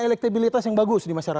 elektabilitas yang bagus di masyarakat